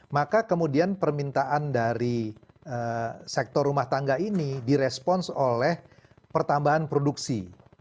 maka kemudian permintaan dari sektor rumah tangga ini direspons oleh pertambahan produksi